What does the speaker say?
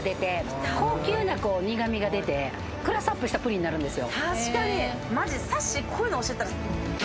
高級な苦味が出て、クラスアップしたプリンになるんですよ。